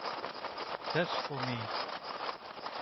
That's for me.